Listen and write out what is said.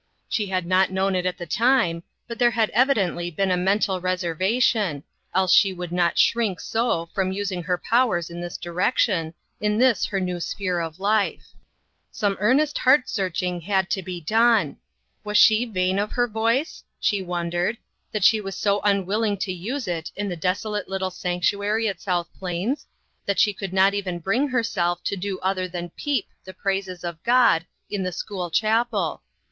She had not known it at the time, but there had evidently been a mental reservation, else she would not shrink so from using her powers in this direction, in this her new sphere of life. Some earnest heart searching had to be done. Was she vain of her voice? she wondered, that she STARTING FOR HOME. 223 was so unwilling to use it in the desolate little sanctuary at South Plains ; that she could not even bring herself to do other than peep the praises of God in the school chapel.